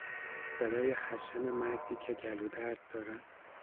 صدای خشن مردی کهگلودرد دارد